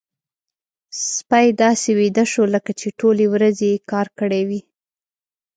سپی داسې ویده شو لکه چې ټولې ورځې يې کار کړی وي.